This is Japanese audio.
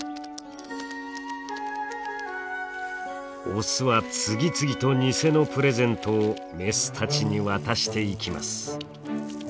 オスは次々と偽のプレゼントをメスたちに渡していきます。